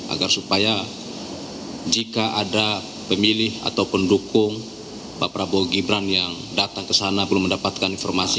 agar supaya jika ada pemilih atau pendukung pak prabowo gibran yang datang ke sana belum mendapatkan informasi